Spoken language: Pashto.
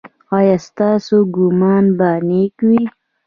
ایا ستاسو ګمان به نیک وي؟